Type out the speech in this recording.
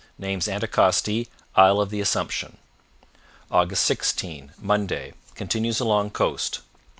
Names Anticosti, Isle of the Assumption. " 16 Monday Continues along coast.